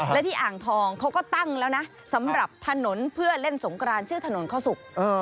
และที่อ่างทองเขาก็ตั้งแล้วนะสำหรับถนนเพื่อเล่นสงกรานชื่อถนนเข้าสุก